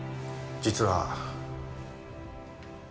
実は。